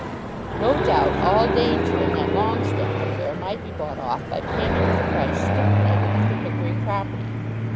No doubt all danger in that Longestaffe affair might be bought off by payment of the price stipulated for the Pickering property.